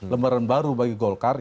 lembaran baru bagi golkar